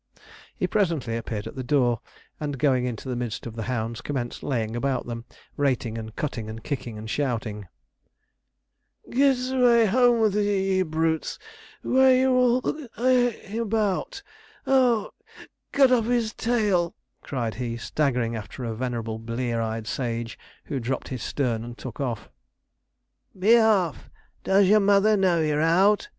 He presently appeared at the door, and, going into the midst of the hounds, commenced laying about him, rating, and cutting, and kicking, and shouting. [Illustration: SIR HARRY OF NONSUCH HOUSE] 'Geete away home with ye, ye brutes; what are you all ing here about? Ah! cut off his tail!' cried he, staggering after a venerable blear eyed sage, who dropped his stern and took off. 'Be off! Does your mother know you're out?'